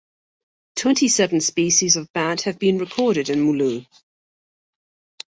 Twenty seven species of bat have been recorded in Mulu.